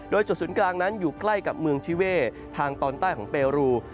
โดยจุดศูนย์กลางนั้นอยู่ใกล้กับเมืองชิเว่ทางตอนใต้ของเปรู